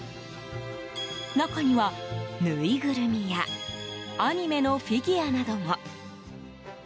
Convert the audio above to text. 中には、ぬいぐるみやアニメのフィギュアなども。